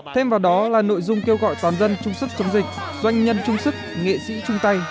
thêm vào đó là nội dung kêu gọi toàn dân chung sức chống dịch doanh nhân chung sức nghệ sĩ chung tay